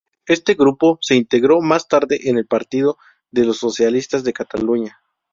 Este grupo se integró más tarde en el Partido de los Socialistas de Cataluña.